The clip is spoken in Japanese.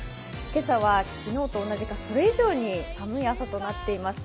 今朝は昨日と同じかそれ以上に寒い朝となっています。